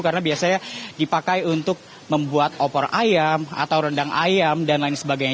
karena biasanya dipakai untuk membuat opor ayam atau rendang ayam dan lain sebagainya